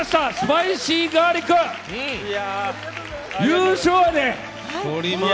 優勝やで！